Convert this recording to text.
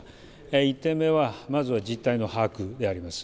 １点目はまずは実態の把握であります。